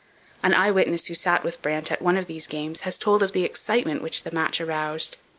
An eye witness who sat with Brant at one of these games has told of the excitement which the match aroused.